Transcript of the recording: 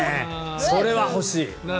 それは欲しい。